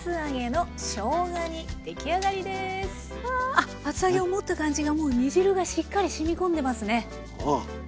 あっ厚揚げを持った感じがもう煮汁がしっかりしみ込んでますね。